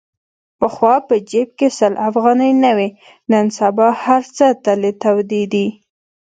پخوا په جیب کې سل افغانۍ نه وې. نن سبا هرڅه تلې تودې دي.